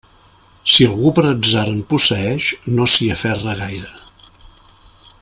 Si algú per atzar en posseeix, no s'hi aferra gaire.